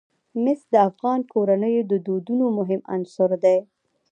مس د افغان کورنیو د دودونو مهم عنصر دی.